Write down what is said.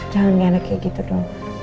jangan enak kayak gitu dong